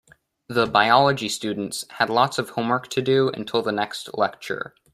The biology students had lots of homework to do until the next lecture.